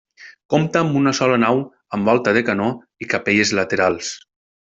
Compta amb una sola nau amb volta de canó i capelles laterals.